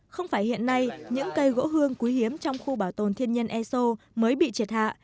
không phải hiện nay những cây gỗ hương quý hiếm trong khu bảo tồn thiên nhiên e sô mới bị triệt hạ